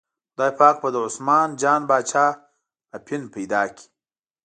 خدای پاک به د عثمان جان باچا اپین پیدا کړي.